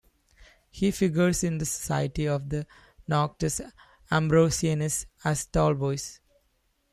He figures in the society of the "Noctes Ambrosianae" as "Tallboys."